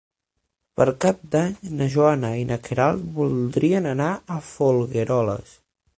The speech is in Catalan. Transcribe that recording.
Per Cap d'Any na Joana i na Queralt voldrien anar a Folgueroles.